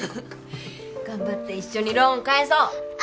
頑張って一緒にローン返そう！